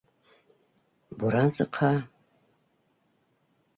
- Буран сыҡһа...